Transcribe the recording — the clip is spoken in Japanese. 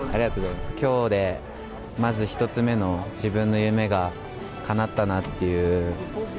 きょうで、まず１つ目の自分の夢がかなったなっていう。